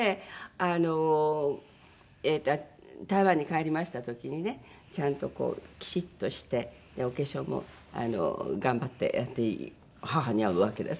あの台湾に帰りました時にねちゃんとこうきちっとしてお化粧も頑張ってやって母に会うわけですから。